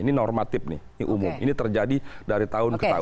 ini normatif nih ini umum ini terjadi dari tahun ke tahun